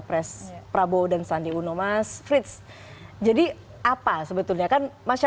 kira kira rencana bawaslu akan seperti apa sih